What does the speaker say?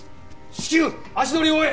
至急足取りを追え！